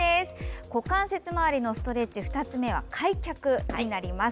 股関節周りのストレッチ２つ目は「開脚」になります。